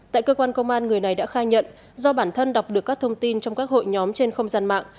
tại cơ quan công an người này đã khai nhận do bản thân đọc được các thông tin trong các hội nhóm trên không gian mạng